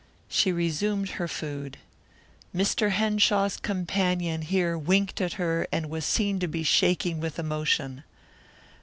She resumed her food. Mr. Henshaw's companion here winked at her and was seen to be shaking with emotion.